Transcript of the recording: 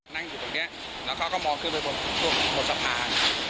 นั่งอยู่ตรงนี้แล้วเขาก็มองขึ้นไปบนช่วงบนสะพาน